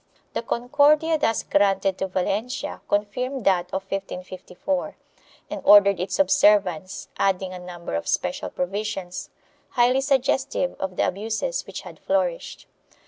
The Concordia thus granted to Valencia confirmed that of 1554 and ordered its observance, adding a number of special provisions, highly suggestive of the abuses which had flourished.